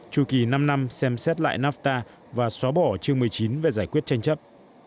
tru kỳ năm năm xem xét lại nafta và xóa bỏ chương một mươi chín về giải quyết tranh chấp